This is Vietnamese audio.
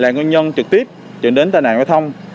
nhân dân trực tiếp truyền đến tài nạn giao thông